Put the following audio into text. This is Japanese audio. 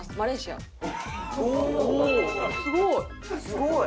すごい！